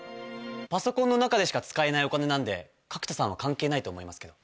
パソコンの中でしか使えないお金なんで角田さんは関係ないと思いますけど。